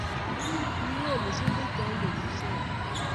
Kio mesundeito eng' betsiek alak.